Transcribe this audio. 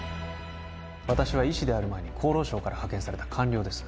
私は医師である前に厚労省から派遣された官僚です